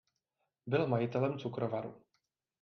Byl majitelem cukrovaru.